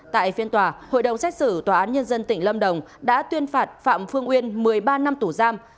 tại phiên tòa hội đồng xét xử tòa án nhân dân tỉnh lâm đồng đã tuyên phạt phạm phương uyên một mươi ba năm tù giam